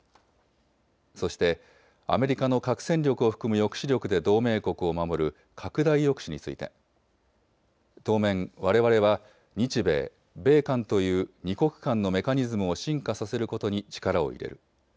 そしてアメリカの核戦力を含む抑止力で同盟国を守る拡大抑止について当面、われわれは日米、米韓という２国間のメカニズムを深化させることに力を入れる。